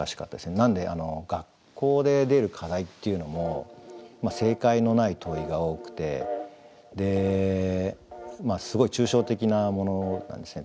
なんで学校で出る課題っていうのも正解のない問いが多くてすごい抽象的なものなんですね。